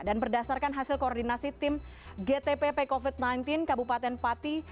dan berdasarkan hasil koordinasi tim gtpp covid sembilan belas kabupaten pati